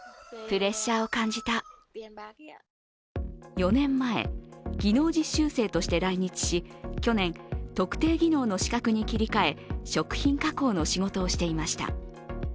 ４年前、技能実習生として来日し、去年、特定技能の資格に切り替え食品加工の仕事をしていました。